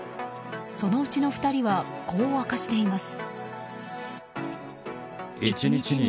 そのうちの２人はこう明かしています。